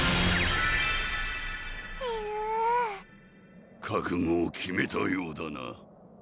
えるぅ覚悟を決めたようだな